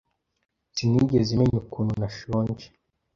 Sinigeze menya ukuntu nashonje.